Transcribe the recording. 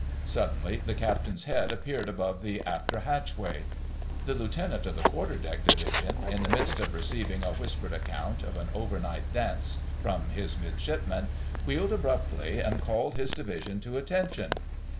Suddenly the Captain's head appeared above the after hatchway. The Lieutenant of the Quarter deck Division, in the midst of receiving a whispered account of an overnight dance from his Midshipman, wheeled abruptly and called his Division to attention.